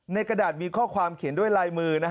กระดาษมีข้อความเขียนด้วยลายมือ